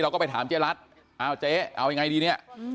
เราก็ไปถามเจ๊รัฐเอาเจ๊เอายังไงดีเนี่ย